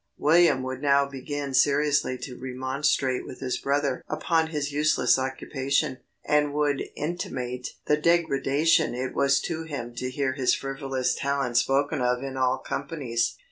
William would now begin seriously to remonstrate with his brother "upon his useless occupation," and would intimate "the degradation it was to him to hear his frivolous talent spoken of in all companies."